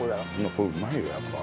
これうまいよやっぱ。